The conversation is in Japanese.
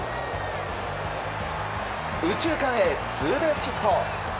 右中間へツーベースヒット。